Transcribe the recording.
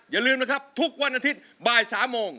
อย่าลืมนะครับทุกวันอาทิตย์บ่าย๓โมง